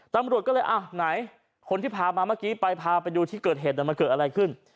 ตำรวจก็เลยอ่ะไหนคนที่พามาเมื่อกี้ไปพาไปดูที่เกิดเหตุมันเกิดอะไรขึ้น